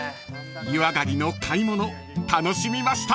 ［湯上がりの買い物楽しみました］